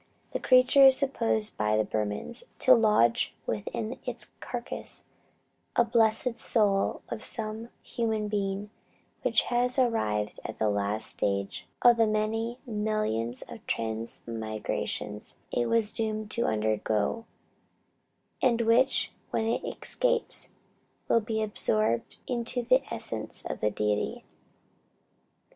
The creature is supposed by the Burmans to lodge within its carcass a blessed soul of some human being, which has arrived at the last stage of the many millions of transmigrations it was doomed to undergo, and which, when it escapes, will be absorbed into the essence of the Deity."